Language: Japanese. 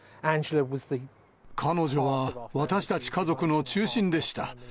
彼女は、私たち家族の中心でした。